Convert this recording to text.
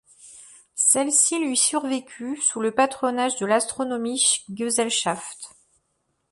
Celle-ci lui survécut sous le patronage de l'Astronomische Gesellschaft.